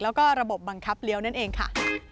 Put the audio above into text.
แล้วก็ระบบบังคับเลี้ยวนั่นเองค่ะ